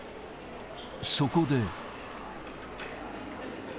そこで。